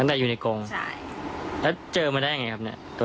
ตั้งแต่อยู่ในกรงใช่แล้วเจอมันได้อย่างไรครับ